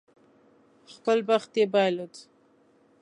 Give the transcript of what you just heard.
خپل بخت یې بایلود.